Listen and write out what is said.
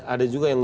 ada juga yang